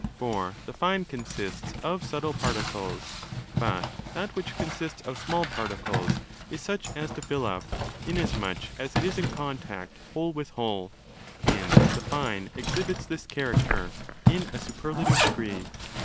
For 'the fine' consists of subtle particles ; but that which consists of small particles is 'such as to fill up', inasmuch as it is in contact! whole with whole—and 'the fine' exhibits this character" in a superlative degree.